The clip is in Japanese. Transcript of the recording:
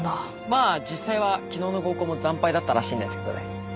まあ実際は昨日の合コンも惨敗だったらしいんですけどね。